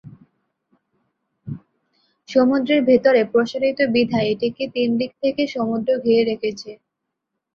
সমুদ্রের ভেতরে প্রসারিত বিধায় এটিকে তিন দিক থেকে সমুদ্র ঘিরে রেখেছে।